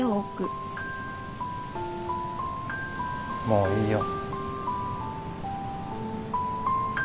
もういいよ。